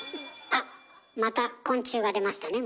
あっまた昆虫が出ましたね